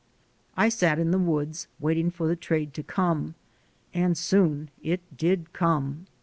I sat in the woods waiting for the trade to come, and soon it did come.